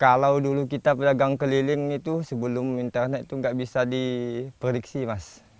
kalau dulu kita pedagang keliling itu sebelum internet itu nggak bisa di prediksi mas